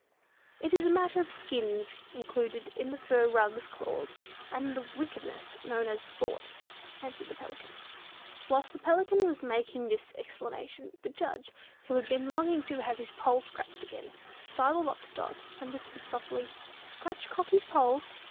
"It is a matter of skins, included in the fur rugs clause, and the wickedness known as 'Sport'," answered the Pelican. Whilst the Pelican was making this explanation, the judge, who had been longing to have his poll scratched again, sidled up to Dot, and whispered softly, "Scratch Cockie's poll!"